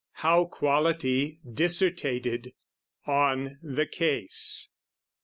How quality dissertated on the case.